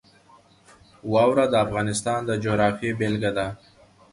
واوره د افغانستان د جغرافیې بېلګه ده.